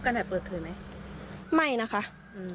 ไม่ตั้งใจครับ